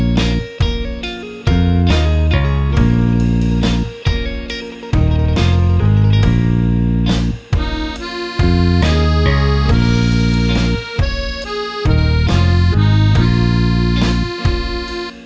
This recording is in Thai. ขอแทบคุณพี่อ้อย